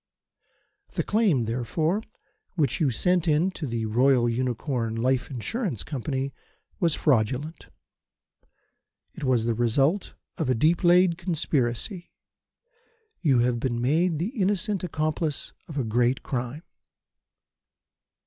"The claim, therefore, which you sent in to the Royal Unicorn Life Insurance Company was fraudulent. It was the result of a deep laid conspiracy. You have been made the innocent accomplice of a great crime.